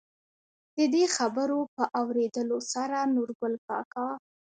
د دې خبرو په اورېدلو سره نورګل کاکا،